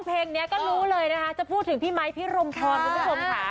แบบร้อยนะก็รู้เลยนะพูดถึงพี่ไมค์พี่โรมพรคุณผู้ชมค่ะ